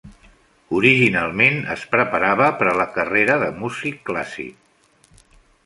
Originalment, es preparava per a la carrera de músic clàssic.